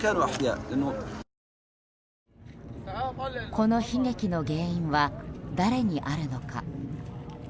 この悲劇の原因は誰にあるのか。